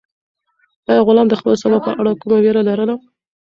آیا غلام د خپل سبا په اړه کومه وېره لرله؟